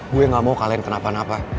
gue gak mau kalian kenapa napa